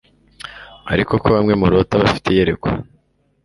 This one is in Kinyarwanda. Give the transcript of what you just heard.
ariko ko bamwe murota bafite iyerekwa